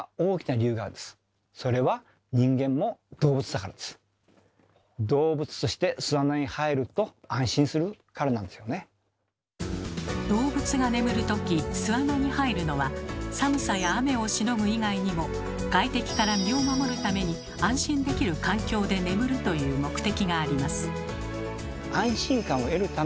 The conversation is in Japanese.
それは動物が眠るとき巣穴に入るのは外敵から身を守るために安心できる環境で眠るという目的があります。